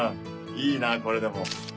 いいなこれでも。